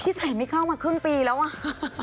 ใส่ไม่เข้ามาครึ่งปีแล้วอ่ะ